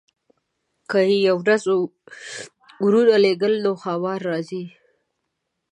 که یې یوه ورځ ورونه لېږله نو ښامار راځي.